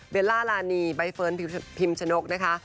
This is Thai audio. ล่ารานีใบเฟิร์นพิมชนกนะคะ